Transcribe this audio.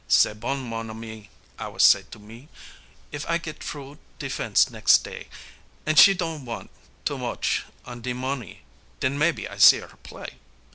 "C'est bon, mon ami," I was say me, "If I get t'roo de fence nex' day An' she don't want too moche on de monee, den mebbe I see her play."